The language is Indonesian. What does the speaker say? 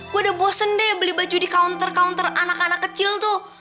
gue udah bosen deh beli baju di counter counter anak anak kecil tuh